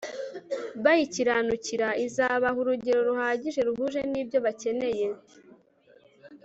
bayikiranukira izabaha urugero ruhagije ruhuje nibyo bakeneye